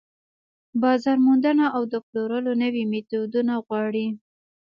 بازار موندنه او د پلورلو نوي ميتودونه غواړي.